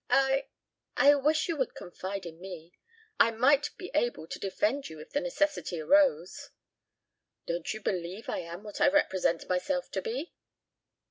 I I wish you would confide in me. I might be better able to defend you if the necessity arose." "Don't you believe I am what I represent myself to be?"